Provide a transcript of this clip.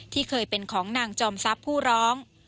ที่เคยเป็นของนางจอมทรัพย์ผู้ร้อง